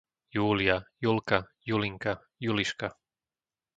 Júlia, Julka, Julinka, Juliška